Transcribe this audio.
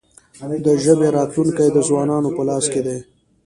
د ژبې راتلونکې د ځوانانو په لاس کې ده.